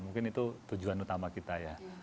mungkin itu tujuan utama kita ya